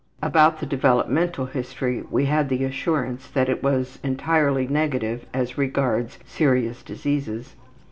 About the developmental history we had the assurance that it was entirely negative as regards serious diseases.